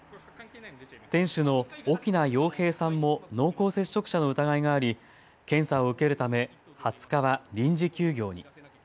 店主の翁洋平さんも濃厚接触者の疑いがあり検査を受けるため２０日は臨時休業に。